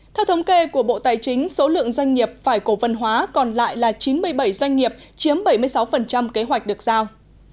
theo thống kê của bộ tài chính số lượng doanh nghiệp phải cổ phần hóa còn lại là chín mươi bảy doanh nghiệp chiếm bảy mươi sáu kế hoạch được giao